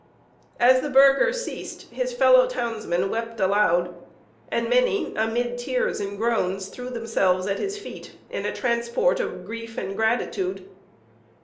As the burgher ceased, his fellow townsmen wept aloud, and many, amid tears and groans, threw themselves at his feet in a transport of grief and gratitude.